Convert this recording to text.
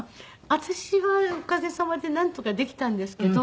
私はおかげさまでなんとかできたんですけど。